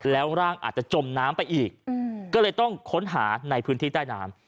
แล้วร่างอาจจะจมน้ำไปอีกก็เลยต้องค้นหาในพื้นที่ใต้น้ำ